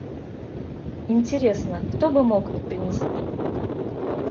Интересно, кто бы мог их принести?